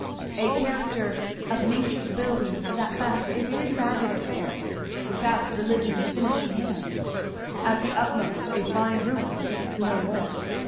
A character of nature's building is at best a very ragged affair, without religion's finishing hand; at the utmost a fine ruin no more.